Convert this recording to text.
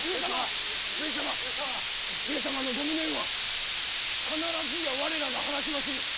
上様のご無念は必ずや我らが晴らしまする！